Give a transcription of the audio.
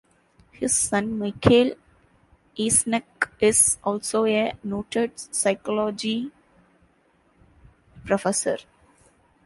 His son Michael Eysenck is also a noted psychology professor.